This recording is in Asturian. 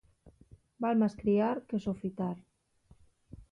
Val más criar que sofitar.